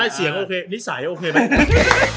เสียงโอเคมั๊ยนิสัยโอเคมั๊ย